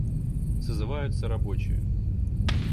Созываются рабочие.